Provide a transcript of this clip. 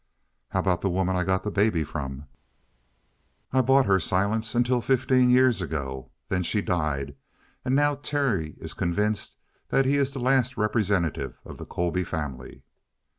"How about the woman I got the baby from?" "I bought her silence until fifteen years ago. Then she died, and now Terry is convinced that he is the last representative of the Colby family."